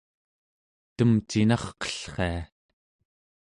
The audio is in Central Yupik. temcinarqellria